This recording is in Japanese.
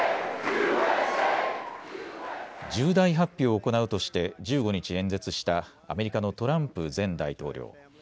重大発表を行うとして１５日、演説したアメリカのトランプ前大統領。